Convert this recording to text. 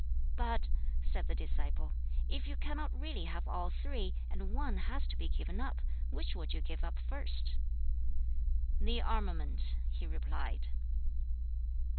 "But," said the disciple, "if you cannot really have all three, and one has to be given up, which would you give up first?" "The armament," he replied.